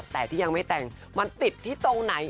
แต่ที่ยังไม่แต่งมันติดที่ตรงไหน